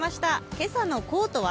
今朝のコートは？